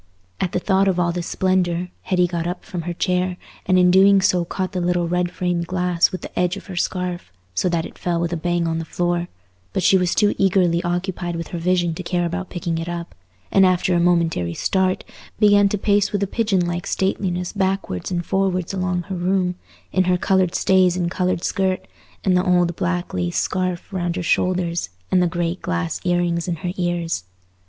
At the thought of all this splendour, Hetty got up from her chair, and in doing so caught the little red framed glass with the edge of her scarf, so that it fell with a bang on the floor; but she was too eagerly occupied with her vision to care about picking it up; and after a momentary start, began to pace with a pigeon like stateliness backwards and forwards along her room, in her coloured stays and coloured skirt, and the old black lace scarf round her shoulders, and the great glass ear rings in her ears.